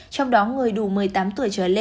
trong đó người đủ một mươi tám tuổi trở lên